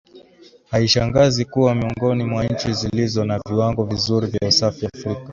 Haishangazi kuwa miongoni mwa nchi zilizo na viwango vizuri vya usafi Afrika